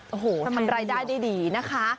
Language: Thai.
โอ้โหทำรายได้ได้ดีนะคะ